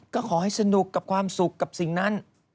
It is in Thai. ก็ขอให้สนุกกับความสุขกับสิ่งนั้น